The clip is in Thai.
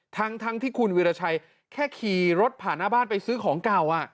ทั้งที่คุณวิราชัยแค่ขี่รถผ่านหน้าบ้านไปซื้อของเก่า